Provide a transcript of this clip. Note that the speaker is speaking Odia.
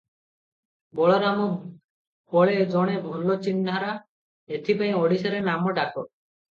ବଳରାମ ବଳେ ଜଣେ ଭଲ ଚିହ୍ନରା, ଏଥିପାଇଁ ଓଡିଶାରେ ନାମଡାକ ।